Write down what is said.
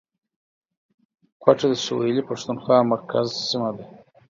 کوټه د سویلي پښتونخوا مرکز سیمه ده